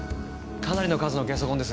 かなりの数のゲソ痕です。